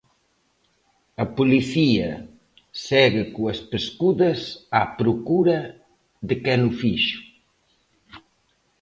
A policía segue coas pescudas á procura de quen o fixo.